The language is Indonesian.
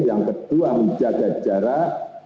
yang kedua menjaga jarak